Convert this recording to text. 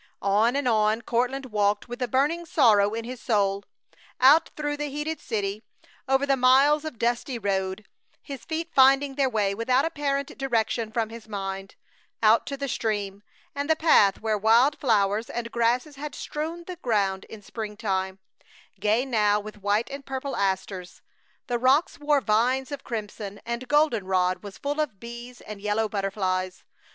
On and on walked Courtland with the burning sorrow in his soul; out through the heated city, over the miles of dusty road, his feet finding their way without apparent direction from his mind; out to the stream, and the path where wild flowers and grasses had strewn the ground in springtime; gay now with white and purple asters. The rocks wore vines of crimson, and goldenrod was full of bees and yellow butterflies.